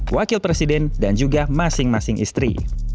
wakil presiden dan juga masing masing istri